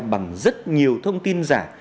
bằng rất nhiều thông tin giả